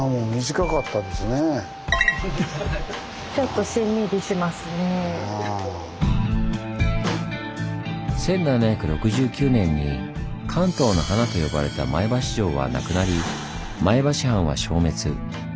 １７６９年に「関東の華」と呼ばれた前橋城はなくなり前橋藩は消滅。